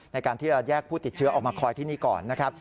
ในการที่จะแยกผู้ติดเชื้อออกมาคอยที่นี่ก่อนนะครับ